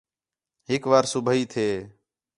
ہِک وار صُبیح تھے